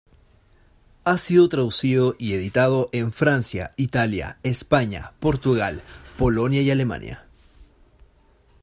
Ha sido traducido y editado en Francia, Italia, España, Portugal, Polonia y Alemania.